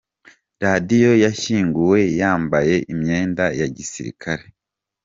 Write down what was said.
Radio yashyinguwe yambaye imyenda ya Gisirikare.